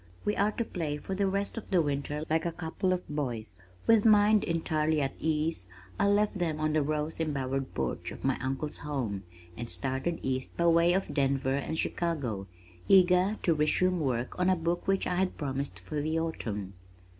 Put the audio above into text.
We are to play for the rest of the winter like a couple of boys." With mind entirely at ease I left them on the rose embowered porch of my uncle's home, and started east by way of Denver and Chicago, eager to resume work on a book which I had promised for the autumn.